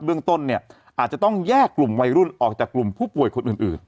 เรื่องต้นเนี่ยอาจจะต้องแยกกลุ่มวัยรุ่นออกจากกลุ่มผู้ป่วยคนอื่น